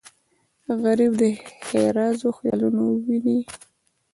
غریب د ښېرازو خیالونه ویني